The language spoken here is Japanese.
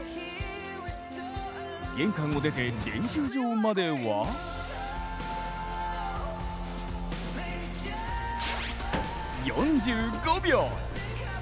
玄関を出て練習場までは４５秒。